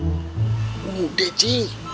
udah muda sih